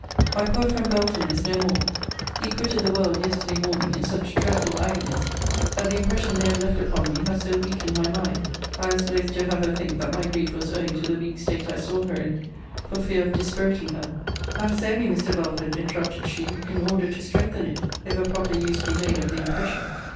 My poor friend Belton is no more. He quitted the world yesterday morning in such dreadful agonies, that the impression they have left upon me have so weakened my mind I was loth to have her think that my grief was owing to the weak state I saw her in, for fear of dispiriting her. That is only, Mr. Belford, interrupted she, in order to strengthen it, if a proper use be made of the impression.